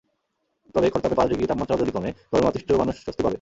তবে খরতাপে পাঁচ ডিগ্রি তাপমাত্রাও যদি কমে, গরমে অতিষ্ঠ মানুষ স্বস্তি পাবে।